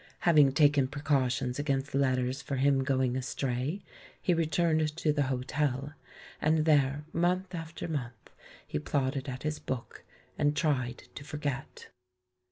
Having taken precautions against letters for him going astray, he returned to the hotel, and there month after month he plodded at his book, and tried to forget.